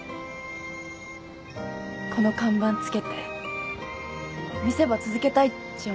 この看板つけて店ば続けたいっち思っちゃった。